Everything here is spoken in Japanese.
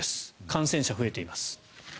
感染者が増えています。